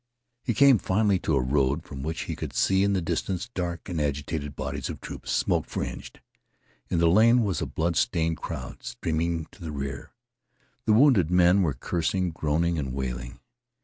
He came finally to a road from which he could see in the distance dark and agitated bodies of troops, smoke fringed. In the lane was a blood stained crowd streaming to the rear. The wounded men were cursing, groaning, and wailing.